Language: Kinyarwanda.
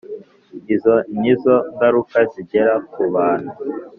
Izo nizo ngaruka zigera kubantu